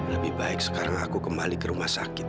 lebih baik sekarang aku kembali ke rumah sakit